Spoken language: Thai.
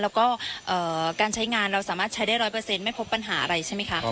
แล้วก็การใช้งานเราสามารถใช้ได้๑๐๐ไม่พบปัญหาอะไรใช่ไหมคะ